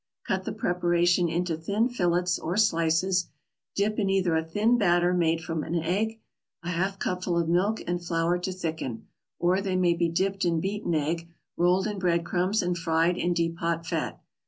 Cut the preparation into thin fillets or slices, dip in either a thin batter made from one egg, a half cupful of milk and flour to thicken, or they may be dipped in beaten egg, rolled in bread crumbs and fried in deep hot fat.